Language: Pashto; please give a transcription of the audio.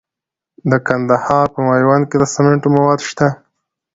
د کندهار په میوند کې د سمنټو مواد شته.